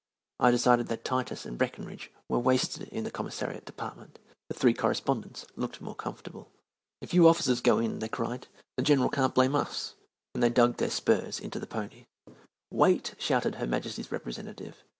I decided that Titus and Breckenridge were wasted in the Commissariat Department. The three correspondents looked more comfortable. "If you officers go in," they cried, "the General can't blame us," and they dug their spurs into the ponies. "Wait!" shouted Her Majesty's representative.